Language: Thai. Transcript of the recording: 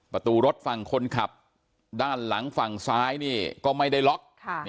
ประตูรถฝั่งคนขับด้านหลังฝั่งซ้ายนี่ก็ไม่ได้ล็อก